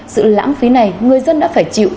sự lãng phí này người dân đã phải chịu